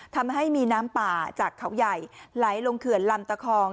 ทำให้มีน้ำป่าจากเขาใหญ่ไหลลงเขื่อนลำตะคอง